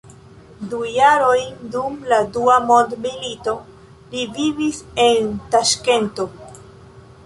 Du jarojn dum la Dua mondmilito li vivis en Taŝkento.